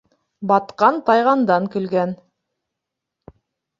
Батҡан тайғандан көлгән.